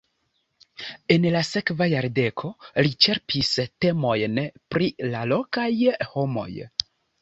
En la sekva jardeko li ĉerpis temojn pri la lokaj homoj.